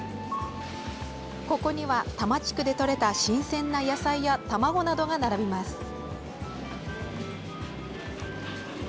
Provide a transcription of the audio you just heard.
ここには多摩地区でとれた新鮮な野菜や卵などが並びます。